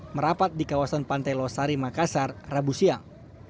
merapat di kawasan pantai losari makassar rabu siang